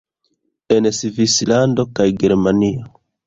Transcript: En Svislando kaj Germanio